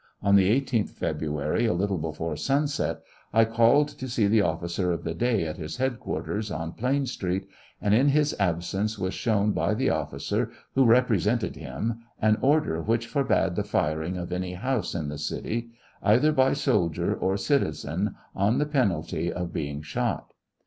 On the 18th February, a little before sunset, I called to see the officer of the day at his headquarters, on Plain Street, and, in his absence, was shown by the officer, who represented him, an order which forbade the firing of any house in the city, either by soldier or citizen, on the penalty of being shot.